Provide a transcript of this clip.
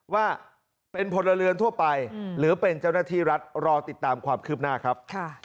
ว่าเป็นพลเรือนทั่วไปหรือเป็นเจ้าหน้าที่รัฐรอติดตามความคืบหน้าครับ